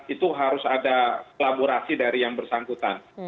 itu harus ada kolaborasi dari yang bersangkutan